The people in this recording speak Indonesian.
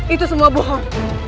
itu semua bohong